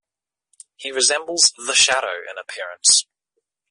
He resembles The Shadow in appearance.